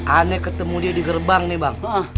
aneh ketemu dia di gerbang nih bang